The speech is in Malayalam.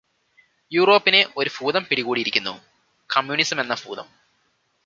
യൂറോപ്പിനെ ഒരു ഭൂതം പിടികൂടിയിരിക്കുന്നു - കമ്മ്യൂണിസമെന്ന ഭൂതം.